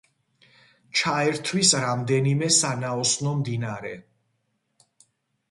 ჩაერთვის რამდენიმე სანაოსნო მდინარე.